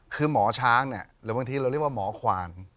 คือหมอช้างเนี่ยหรือบางทีเราเรียกว่าหมอควาน